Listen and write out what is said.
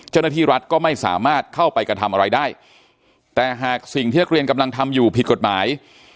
เจ้าหน้าที่รัฐก็ไม่สามารถเข้าไปกระทำอะไรได้แต่หากสิ่งที่นักเรียนกำลังทำอยู่ผิดกฎหมาย